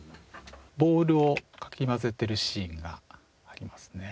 ボウルをかき混ぜてるシーンがありますね。